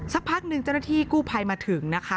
สักพักหนึ่งเจ้าหน้าที่กู้ภัยมาถึงนะคะ